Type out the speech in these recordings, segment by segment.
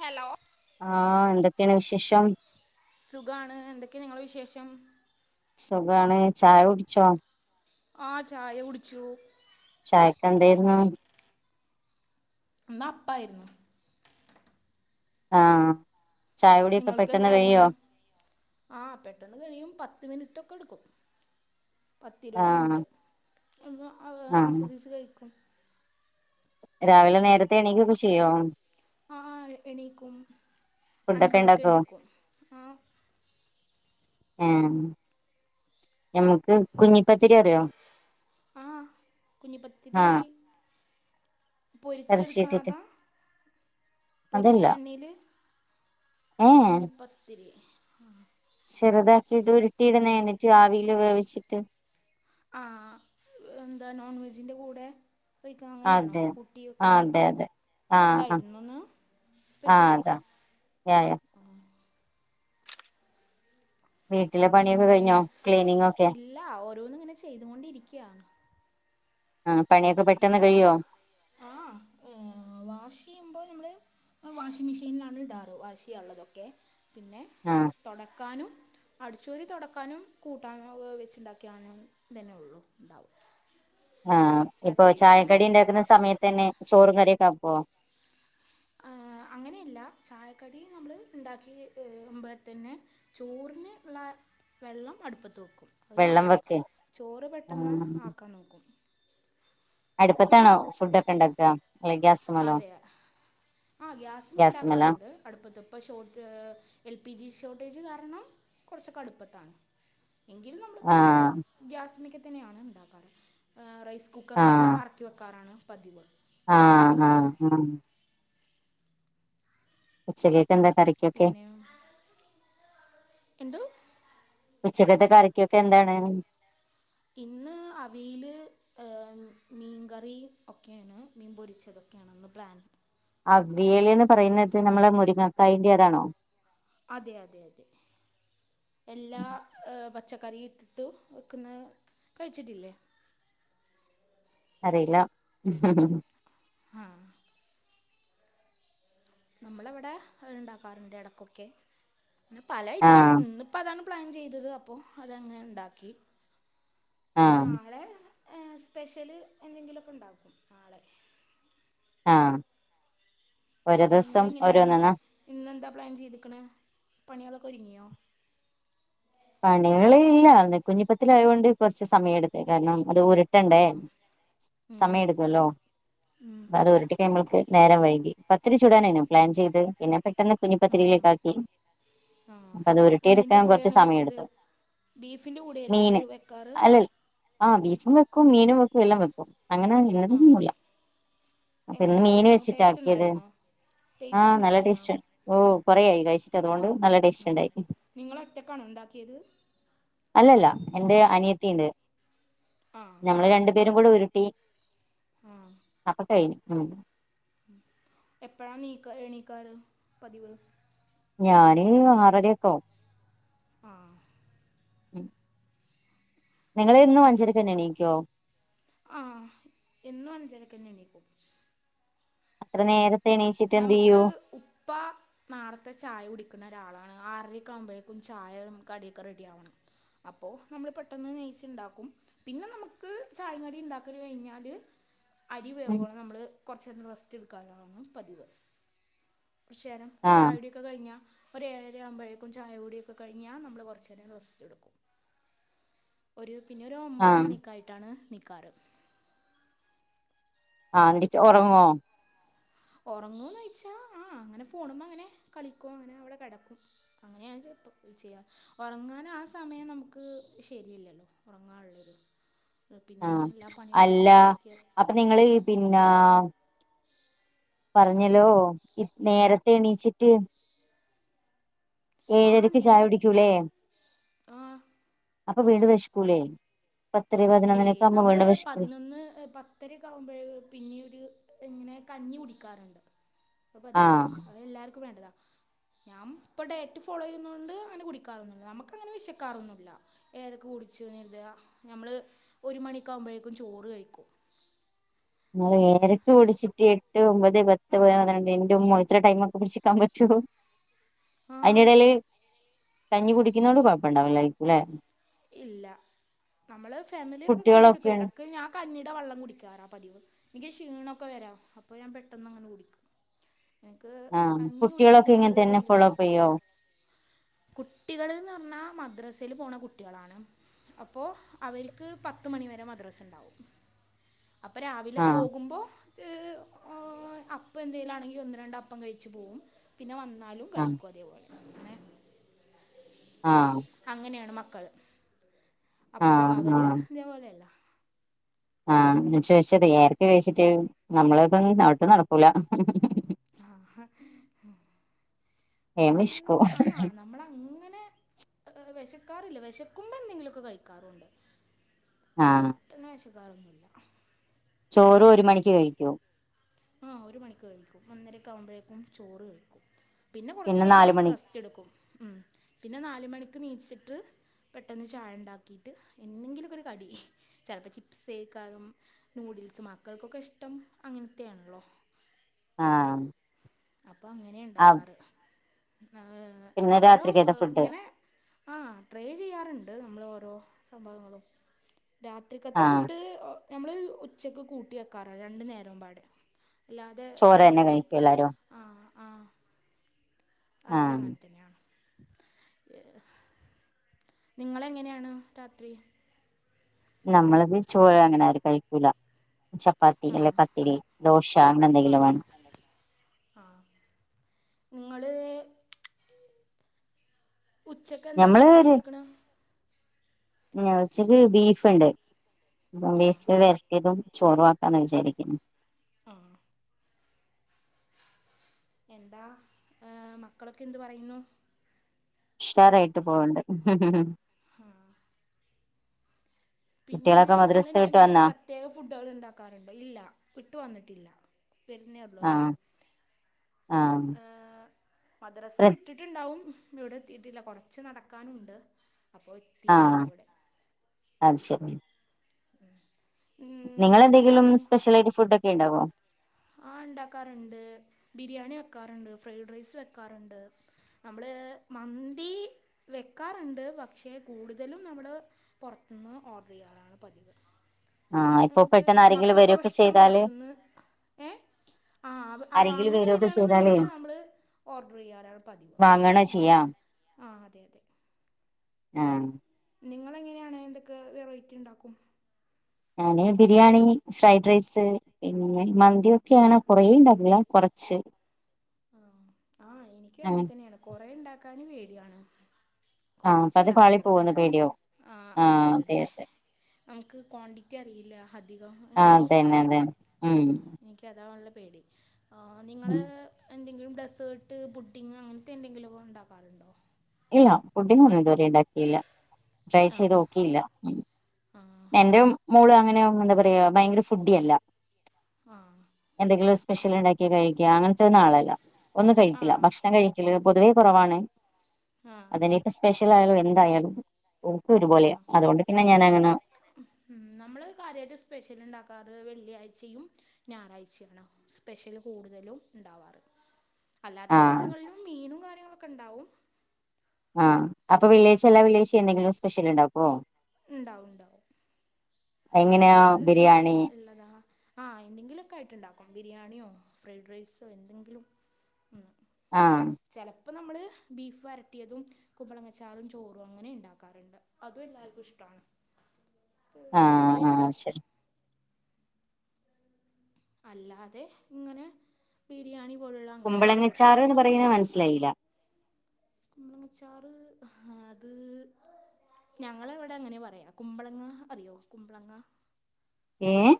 Hello ആഹ് എന്തൊക്കേണ് വിശേഷം? സുഖാണ്. എന്തൊക്കെ നിങ്ങളെ വിശേഷം? സുഖാണ്. ചായ കുട്ച്ചോ? ആഹ് ചായ കുടിച്ചു. ചായക്കെന്തേര്ന്നു? ഇന്നപ്പായിരുന്നു. ആഹ്. ചായ കുടിയൊക്കെ പെട്ടെന്ന് കയ്യോ? ആഹ് പെട്ടെന്ന് കഴിയും. പത്ത് മിനിറ്റൊക്കെ എടുക്കും. പത്തിരുപത് ആഹ് മിൻറ്റ്. ഒന്ന് അത് ആഹ് ആസ്വദിച്ചു കഴിക്കും. രാവിലെ നേരത്തെ എണീക്കൊക്കെ ചെയ്യോ? ആഹ് എണീക്കും. ഫുഡൊക്കെ അഞ്ചരക്ക് ഉണ്ടാക്കുവോ എണീക്കും. ആഹ് ഏഹ്. ഞമ്മക്ക് കുഞ്ഞിപ്പത്തിരി അറിയോ? ആഹ് കുഞ്ഞിപത്തിരി ആഹ് ഇറച്ചി ഇട്ടിട്ട് പൊരിച്ചെടുക്കുന്നതാ പൊരിച്ച അതല്ല എണ്ണീൽ ഏഹ് കുഞ്ഞിപ്പത്തിരി ചെറുതാക്കിയിട്ട് ഉരുട്ടിയിട്ണെ എന്നിട്ട് ആവീല് വേവിച്ചിട്ട്. ആഹ് എന്താ നോൺ വെജിന്റെ കൂടെ കഴിക്കാ അങ്ങനെയാണോ അതെ കൂട്ടി ആഹ് വെക്കുന്നെ. അതെ അതെ ആഹ് ആഹ് അതായിരുന്നോ ഇന്ന് ആഹ് സ്പെഷ്യൽ അതാ യാ യാ ഉം ഉം വീട്ടിലെ പണിയൊക്കെ കഴിഞ്ഞോ ക്ലീനിങ്ങൊക്കെ? ല്ല. ഓരോന്ന്ങ്ങനെ ചെയ്തുകൊണ്ടിരിക്ക്യാ. ആഹ് പണിയൊക്കെ പെട്ടെന്ന് കഴിയുവോ? ആഹ് ഏഹ് വാഷ് ചെയ്യുമ്പോൾ നമ്മൾ വാഷിംഗ് മെഷീനിലാണ് ഇടാറ് വാഷ് ചെയ്യാനുള്ളതൊക്കെ പിന്നെ ആഹ് തുടക്കാനും അടിച്ചോരി തുടക്കാനും കൂട്ടാനും വെച്ചുണ്ടാക്കിയാനും തന്നെ ഉള്ളു ഉണ്ടാവും ആഹ് ഇപ്പൊ പ്രത്യേകിച്ച് പണി ചായക്കടി ഉണ്ടാക്കുന്ന സമയത്ത് തന്നെ ചോറും കറിയൊക്കെ ആക്കോ ആഹ് അങ്ങനെയല്ല ചായക്കടി നമ്മൾ ഉണ്ടാക്കിപോൾത്തന്നെ ചോറിന് ഉള്ള വെള്ളം അടുപ്പത്ത് വെക്കും അത് വെള്ളം ചെയ്യും വെക്കെ ചോറ് ആ പെട്ടെന്ന് ആക്കാൻ നോക്കും അടുപ്പത്താണ ഫുഡ് ഒക്കെ ഉണ്ടാക്ക അല്ല ഗ്യാസ് അതെ ആ ഗ്യാസ്മ ഗ്യാസ്മല ഉണ്ടാക്കാറുണ്ട് അടുപ്പത്ത ഇപ്പോൾ ഷോർ എൽ പി ജി ഷോർട്ടേജ് കാരണം കുറച്ചൊക്കെ അടുപ്പത്താണ് എങ്കിലും നമ്മളിപ്പോൾ ആഹ് ഗ്യാസ് മിക്കത്തിനെയാണ് ഉണ്ടാക്കാറ് റൈസ് കുക്കറിലേക്ക് ആഹ് അറക്കിവെക്കാറാണ് പതിവ് ആഹ് ഉം. ആഹ് ആഹ് ഉച്ചെക്കേക്കെന്ത കറി പിന്നെ എന്തോ ഉച്ചക്കത്തെ കറിക്കൊക്കെ എന്താണ് ഇന്ന് അവീല് മീൻ കറിയും ഒക്കെയാണ് മീൻ പൊരിച്ചതൊക്കെയണെന്ന് പ്ലാന് അവിയലി എന്ന് പറയുന്നത് നമ്മെ മുരിങ്ങക്കായന്റെ അതാണോ അതെ അതെ അതെ എല്ലാ പച്ചക്കറി ഇട്ടിട്ടും വയ്ക്കുന്ന കഴിച്ചിട്ടില്ലേ അറിയില്ല ആഹ് നമ്മളവിടെ ഉണ്ടാക്കാറുണ്ട് ഇടക്കൊക്കെ പിന്നെ പല ഐറ്റം ആഹ് ഇന്നിപ്പോ അതാണ് പ്ലാൻ ചെയ്തത് അപ്പോൾ അതങ്ങനെ ഉണ്ടാക്കി ഇനി ആഹ് നാളെ സ്പെഷ്യല് എന്തെങ്കിലുമൊക്കെ ഉണ്ടാക്കും നാളെ ആഹ് ഓരോ ദിവസം നിങ്ങളെങ്ങനെയാണ് ഓരോന്നെന്നാ ഇന്ന്ന്താ പ്ലാൻ ചെയ്തക്കണ പണികളൊക്കെ ഒരുങ്ങിയോ പണികള് ഇല്ലായിന്ന് കുഞ്ഞിപ്പത്തില ആയൊണ്ട് കുറച്ച് സമയം എടുത്ത് കാരണം അത് ആ ഉരുട്ടണ്ടേ ഉം, സമയം എടുക്കല്ലോ ഉം, അത് ഉരുട്ടി കഴിയുമ്പൾക്ക് നേരം വൈകി ത്തിരി ചൂടാനായി പ്ലാൻ ചെയ്ത് പിന്നെ പെട്ടെന്ന് കുഞ്ഞിപ്പത്തലിലേക്ക ആക്കി ആഹ് എന്തിന്റെ കൂടെയാണ് സമയം വെച്ചത് എടുത്തു ബീഫിന്റെ കൂടെയല്ലേ അത് വെക്കാറ് ആഹ് ബീഫും വെക്കും മീനും വെക്കും എല്ലാം വെക്കും അങ്ങനെ ഇന്നത ആ ഒന്നുല്ല അപ്പൊ എങ്ങനെ ഇന്ന് മീൻ ഉണ്ടായിരുന്നു ടേസ്റ്റ് വെച്ചിട്ടാക്കിയത് ഉണ്ടായിരുന്നോ ആ ടേസ്റ്റ് നല്ല ഉണ്ടായിരുന്നോ ടേസ്റ്റ് ഓ കൊറയായി കഴിച്ചിട്ട് അതുകൊണ്ട് നല്ല ടേസ്റ്റ് ഉണ്ടായി നിങ്ങളൊ ഒറ്റക്കാണോ ഉണ്ടാക്കിയത് അല്ലല്ല എന്റെ അനിയത്തിണ്ട് ആ ഞമ്മള് രണ്ടു പേരും കൂടെ ഉരുട്ടി ആഹ് അപ്പൊ കഴന് ഉം എപ്പഴാ നീക്ക എണീക്കാറ് പതിവ് ഞാന് ആറരക്കാവും ആഹ് ഉം നിങ്ങളെന്നും അഞ്ചെരക്കന്നെ എണീക്കോ ആഹ് എന്നും അഞ്ചരക്കെന്നെ എണീക്കും ഇത്ര നേരത്തെ എണീച്ചിട്ട് എന്ത് ചെയ്യും. പ്പാ നേരത്തെ ചായ കുടിക്കുന്ന ഒരാളാണ്. ആറാരേക്കെ ആവ്മ്പോഴേക്കും ചായേയും കടിയൊക്കെ റെഡി ആവണം അപ്പൊ നമ്മള് പെട്ടെന്ന് നെയിച്ച് ഇണ്ടാക്കും പിന്നെ നമ്മക്ക് ചായേയും കടിയും ഇണ്ടാക്കാല് കയിഞ്ഞാല്. അരി ഉം വേവോളം നമ്മള് കൊറച്ച് നേരം റെസ്റ്റ് എടുക്കാലാണ് പതിവ്. കൊറ്ചേരം ആ ചായകുട്യക്കെ കഴിഞ്ഞാ ഒര് ഏഴരാ ആവമ്പോഴേക്കും ചായ കുടിയൊക്കെഴിഞ്ഞാ നമ്മള് കൊറച്ചേ രം റെസ്റ്റ്‌ എട്ക്കും. ഒര് പിന്നെ ഒര് ആ ഒമ്പത് മണിക്കായിട്ടാണ് ണിക്കാറ് ആഹ് ഒറങ്ങൊ ഒറങ്ങൂന്ന് ചോയിച്ചാ ആഹ് അങ്ങനെ ഫോണ്മ് അങ്ങനെ കളിക്കൂ അങ്ങനെ അവടെ കെടക്കും. അങ്ങനെ ഞാ [unintelligible] പ്പേ ചെയ്യാം ഒറങ്ങാൻ ആഹ് സമയം നമ്മുക്ക് ശെരിയല്ലല്ലോ ഒറങ്ങാൻള്ളരു. പിന്നെ ആഹ് എല്ലാ പണിയും അല്ല എട്ത്തിട്ട് എനിക്ക്. അപ്പൊ നിങ്ങളിൽ പിന്നെ പറഞ്ഞല്ലോ നേരത്തെ എണീച്ചിട്ട് ആ ഏഴരക്ക് ചായ നേര കുടിക്കൂല്ലെ. ആ അപ്പൊ വീണ്ടും വെശക്കൂല്ലേ പത്തിരി [unintelligible] യെ നമ്മള് പതിനൊന്ന് പ ത്തരെ ആവുമ്പഴ് പിന്നീട് ഇങ്ങനെ കഞ്ഞി കുടിക്കാറ്ണ്ട് അത് ആഹ് പതിവാണ് അത് എല്ലാർക്കും വേണ്ടതാ ഞാൻ ഇപ്പം ഡയറ്റ് ഫോളോ ചെയ്യ്ണോണ്ട് അങ്ങനെ കുടിക്കാറൊന്നും ഇല്ല നമ്മക്ക് അങ്ങനെ വിശക്കാറൊന്നു ഇല്ല. ഏതൊക്കെ കുടിച്ചൂന്നര്ത ഞമ്മള് ഒരു മണിക്ക്യാവുമ്പഴേക്കും ചോറ് കയിക്കും. [unintelligible] കുടിച്ച് എട്ട്, ഒമ്പത്, പത്ത് [unintelligible] എൻ്റെ ഉമ്മേ ഇത്ര ടൈമേക്കെ പിടിച്ചിക്ക്യാ പറ്റോ. ആ അയിൻ്റെ എടേല് കഞ്ഞി കുടിക്ക്ന്നോണ്ട് കൊഴപ്പണ്ടാവുലലെ. ഇല്ല നമ്മള് ഫാമിലിയൊക്കെ കഞ്ഞി കുടിക്കൊ കുട്ടികളൊക്കെ എടക്ക് ഞാ കഞ്ഞിടെ വെള്ളം കുടിക്കറാ പതിവ് എനിക്ക് ക്ഷീണൊക്കെ വെരാം. അപ്പോ ഞാൻ പെട്ടെന്ന് അങ്ങനെ കുടിക്കും. എനിക്ക് ആഹ് കഞ്ഞി കുട്ട്യേളൊക്കെ കുടിക്കുന്നതുകൊണ്ട് ഇങ്ങനെ തന്നെ ഫോളോപ്പ് ചെയ്യോ കുട്ടികള്ന്ന് പറ്ന്നാ മദ്രസേല് പോണ കു കുട്ട്യേളാണ്. അപ്പോ അവര്ക്ക് പത്ത് മണി വരെ മദ്രസ് ഇണ്ടാവും അപ്പ രാവിലെ ആഹ് പോകുമ്പോ അപ്പം എന്തെലും ആണെങ്കി ഒന്ന്, രണ്ട് അപ്പം കഴിച്ച് പോവും പിന്നെ വന്നാലും ആഹ് കയിക്കും അതേ പോലെ ആഹ് അങ്ങനേണ് മക്കള് അപ്പൊ ആഹ് അവര് ആഹ് ഇതേപോലെ അല്ല. ആഹ് ഞാ ചോദിച്ചത് ഏഴരക്ക് കഴിച്ചിട്ട് നമ്മളതൊന്നും [unintelligible] നടക്കൂല്ലാ ആഹ് വേം അത് വെശ്ക്കും ആഹ് നമ്മള് അങ്ങനെ വെശക്കാറില്ല. വെശക്ക്മ്പോ എന്തെങ്കിലൊക്കെ കയിക്കാറു ഉണ്ട് പ ആഹ് ഇപ്പന്നെ വെശക്കാറൊന്നു ഇല്ലാ ചോറും ഒര് മണിക്ക് കയിക്കോ ആഹാ ഒര് മണിക്ക് കയിക്കും ഒന്നരെക്കെ ആമ്പേഴേക്കും ചോറ് കയിക്കും പിന്നെ കൊറച്ച് നേരം നാല് മണി റെസ്റ്റ് എടുക്കും ഉം പിന്നെ നാല് മണിക്ക് നീച്ച്ട്ട് പെട്ടെന്ന് ചായ ഇണ്ടാക്കിയിട്ട് എന്തെങ്കിലും ഒക്കൊ ഒര് കടി ചെലപ്പോ ചിപ്സ് [unintelligible] ന്യൂഡിൽസ് മക്കൾക്കൊക്കെ ഇഷ്ടം അങ്ങനത്തെ ആണല്ലോ ആഹ് അപ്പൊ അങ്ങനെ ആഹ് ഇണ്ടാക്കാറ് പിന്നെ ഓരോ രാത്രിക്കത്തെ ഫുഡ് ഇങ്ങനെ ആ ട്രേ ചെയ്യാറുണ്ട് നമ്മൾ ഓരോ സംഭവങ്ങളും രാ തക്കത്തെ ആഹ് ഫുഡ് നമ്മള് ഉച്ചക്ക് കൂട്ടി വെക്കാറ രണ്ടു നേര പാട് അല്ലാതെ ചോറ് തന്നെ രാത്രി കഴിക്കും എല്ലാരും ആ ആ ആഹ് അത്രങ്ങണ്ടി തന്നെയാണ് നിങ്ങളെങ്ങനെയാണ് രാത്രി നമ്മളത് ചോര അങ്ങനെരും കഴിക്കൂല ചപ്പാത്തി ആ അല്ലേ പത്തിരി ദോശ അങ്ങനെ എന്തെങ്കിലും വേണം ആ നിങ്ങള് ഉച്ചക്ക്െന്താ പ്ലാൻ ചെയ്തിരിക്കണ ച്ചല് ബീഫ്ുണ്ട് ആ ബീഫ് വ ഇതും ചോറവാക്കാന്ന് വിചാരിക്കുന്നു ആഹ എന്താ ഏ മക്കളൊക്കെ എന്ത് പറയുന്നു ഉഷാറായിട്ട് പോകണ്ട് ആഹ പിന്നെ കുട്ടികളൊക്കെ മദ്രസ വിട്ട് നിങ്ങളെന്തെങ്കിലും പ്ര വന്നാ പ്രത്യേക ഫുഡുകൾ ഉണ്ടാക്കാറുണ്ട് ഇല്ല ഇട്ടു വന്നിട്ടില്ല വരുന്നേള്ളൂ അവർ ആഹ മദ്രസ വിട്ടിട്ടുണ്ടാവും ഇവിടെ എത്തിീട്ടില്ല കുറച്ച് നടക്കാനുണ്ട് അപ്പോൾ ആ എത്തിയിട്ടില്ല ഇവിടെ അത് ശരി ആഹ [unintelligible] നിങ്ങൾെന്തെങ്കിലും സ്പെഷ്യലായിട്ട് ഫുഡ് ഒക്കെ ഉണ്ടാവോ ആ ഉണ്ടാക്കാറുണ്ട് ബിരിയാണി വെക്കാറുണ്ട് ഫ്രൈഡ് റൈസ് വെക്കാറുണ്ട് നമ്മൾ മന്തി വെക്കാറുണ്ട് പക്ഷേ കൂടുതലും നമ്മൾ പുറത്തുനിന്ന് ഓർഡർ ചെയ്യാറാണ് പതിവ് ആഹ് ഇപ്പൊ നമുക്ക് പെട്ടെന്ന് ആരെങ്കിലും മക്കൾക്കൊക്കെ വരൊക്കെ ഇഷ്ടം ചെയ്താല് പുൊറത്തുന്ന് ഏ ആഹ് ആരെങ്കിലും അങ്ങനെ വരൊക്കെ ചെയ്താലേ വരിണെന്നുണ്ടെങ്കില് നമ്മള് ഓർഡർ ചെയ്യാരാൾ പതിവ് വാങ്ങണ നള് ചെയ്യാ ആ അതെ അതെ ഉം നിങ്ങ എങ്ങനെയാണ് എന്തൊക്കെ വെറൈറ്റി ഉണ്ടാക്കും ഞാന് ബിരിയാണി ഫ്രൈഡ് റൈസ് പിന്നെ മന്തിയൊക്കെയ ആണ കുറേണ്ടാവില്ല കുറച്ച് ആഹ ആഹ എനിക്കും അങ്ങനെ തന്നെയാണ് കൊറെ ഉണ്ടാക്കാന് പേടിയാണ് ആഹ് അപ്പൊ അത് പാളി കൊറച്ചുണ്ടാക്കാറുണ്ട് പോവോന്ന് പേടിയാവും ആ അതെ അതെ നമുക്ക് ക്വാണ്ടിറ്റി അറിയില്ല അധികം ആ അങ്ങനെ അത തന്നെ അതെെ ഉം എനിക്ക് അതാല്ല പേടി നിങ്ങൾ ഉം എന്തെങ്കിലും ഡെസേർട്ട് ബുഡിങ്ങ് അങ്ങനത്തെ എന്തെങ്കിലുമ ഒ ഉണ്ടാക്കാറുണ്ടോ ഇല്ല ഫുഡിങ് ഒന്നും ഇതുവരെ ഉണ്ടാക്കിയില്ല ട്രൈ ചെയ്ത് നോക്കിയില്ല ആഹ് എന്റെ മോള് അങ്ങനെ എന്താ പറയാ ഭയങ്കര ഫുഡി അല്ല ആഹ് എന്തെങ്കിലും സ്പെഷ്യൽ ഉണ്ടാക്കി കഴിക്ക അങ്ങനത്തെ ഒന്നാളല്ല ഒന്ന് ആ കഴിക്കില്ല ഭക്ഷണം കഴിക്ക പൊതുവേ കുറവാണ് ആ അത് ഇനി സ്പെഷ്യൽ ആയാലും എന്തായാലും ഓക് ആ ഒരുപോലെ അതുകൊണ്ട് പിന്നെ ഞാനങ്ങനെ ഉം നമ്മള് കാര്യയിട്ട് സ്പെഷ്യൽ ഉണ്ടാക്കാറ് വെള്ളിയാഴ്ചയും ഞായറാഴ്ചയാണ് സ്പെഷ്യല് കൂടുതലും ഉണ്ടാവാറ് അല്ലാത്ത ആഹ് ദിവസങ്ങളിലും മീനും കാര്യങ്ങളൊക്കെ ഉണ്ടാവും ആഹ് അപ്പൊ വെള്ളിയാഴ്ച എല്ലാ വെള്ളിയാഴ്ച എന്തെങ്കിലും സ്പെഷ്യൽണ്ടാക്കുവോ ഇണ്ടാവും ഇണ്ടാവും എങ്ങനെയാ അത് ബിരിയാണി ഇള്ളതാ ആഹ് എന്തെങ്കിലോക്കെ ആയിട്ട് ഇണ്ടാക്കും ബിരിയാണിയോ ഫ്രൈഡ് റൈസോ എന്തെങ്കിലും ഉം ആഹ് ചെലപ്പോ നമ്മള് ബീഫ് വരട്ടിയതും കുമ്പളങ്ങ ചാറും ചോറും അങ്ങനെ ഇണ്ടാക്കാറുണ്ട് അതും എല്ലാർക്കും ഇഷ്ടാണ് [inaudible] ഒരു വെറൈറ്റി ആഹ് ആയിട്ട് ആഹ് ശരി അല്ലാതെ ഇങ്ങനെ ബിരിയാണി പോലുള്ള അങ്ങനെ ഇണ്ടാക്കാറുണ്ട് അത് എങ്ങനെ മനസ്സിലായില്ല കുമ്പളങ്ങ ചാറ് അത് ഞങ്ങള് ഇവടെ അങ്ങനെ പറയാ കുമ്പളങ്ങ അറിയോ കുമ്പളങ്ങ ഏഹ്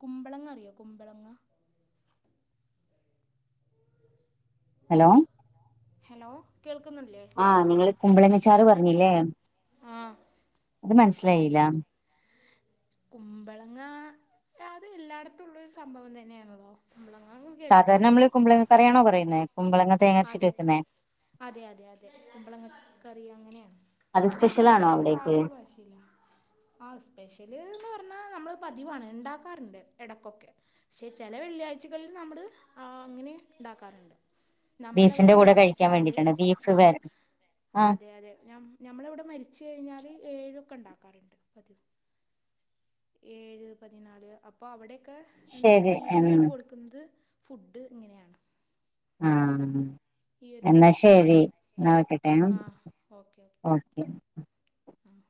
കുമ്പളങ്ങ അറിയോ കുമ്പളങ്ങ ഹലോ ഹലോ കേൾക്കുന്നില്ലേ ആഹ് നിങ്ങള് കുമ്പളങ്ങ ചാറ് പറഞ്ഞില്ലേ ആ അത് മനസ്സിലായില്ല കുമ്പളങ്ങ അത് എല്ലായിടത്തും ഉള്ളരു സംഭവം തന്നെയാണല്ലോ കുമ്പളങ്ങ സാധാരണ കേട്ടിട്ടില്ലേ നമ്മള് അത് കുമ്പളങ്ങ കറിയണോ പറയുന്നേ കുമ്പളങ്ങ തേങ്ങ അരച്ചിട്ട് അതെ വെക്കുന്നേ അതെ അതെ അതെ കുമ്പളങ്ങ കറി അങ്ങനെയാണ് അത് സ്പെഷ്യൽ ആണോ ഞമ്മളവിടെ ആ അവിടേക്ക് ഒരു ഭാഷ ആഹ് സ്പെഷ്യല് എന്ന് പറഞ്ഞാൽ നമ്മൾ പതിവാണ് ഇണ്ടാക്കാറ്ണ്ട് എടക്കൊക്കെ പക്ഷെ ചെല വെള്ളിയാഴ്ചകളില് നമ്മള് ആഹ് അങ്ങനെ ഇണ്ടാക്കാറ്ണ്ട് നമ്മളവിടെ ബീഫിന്റെ കൂടെ കഴിക്കാൻ മരിച്ചാല് വേണ്ടിട്ടാണ് ബീഫ് വേ ആഹ് ആ അതെ അതെ ഞാൻ ഞമ്മളവിടെ മരിച്ച് കഴിഞ്ഞാല് ഏഴൊക്കെ ഇണ്ടാക്കാറ്ണ്ട് പതിവ് ഏഴ് പതിനാല് അപ്പോ അവടെയൊക്കെ എന്താ ശരി ഉം ചീരണിയായിട്ട് കൊടു കുന്നത് ഫുഡ് ഇങ്ങനെയാണ് ആഹ് ഈ എന്നാ ഒരു ശരി എന്നാ വെക്കട്ടെ ആ ഓക്കെ ഓക്കെ ആഹ്